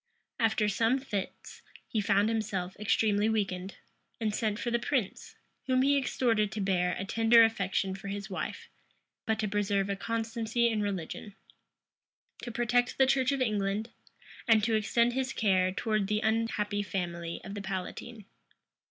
After some fits, he found himself extremely weakened, and sent for the prince, whom he exhorted to bear a tender affection for his wife, but to preserve a constancy in religion; to protect the church of England; and to extend his care towards the unhappy family of the palatine.